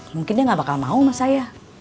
mungkin dia gak bakal mau sama saya